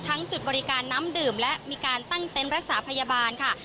จุดบริการน้ำดื่มและมีการตั้งเต็นต์รักษาพยาบาลค่ะ